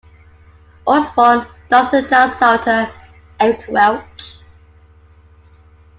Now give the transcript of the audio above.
Osborne, Doctor Charles Souter, Eric Welch.